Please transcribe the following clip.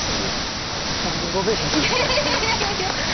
ちょっとスタンディングオベーションしましょう。